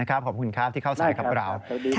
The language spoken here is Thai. ขอบคุณครับที่เข้าสายกับเรา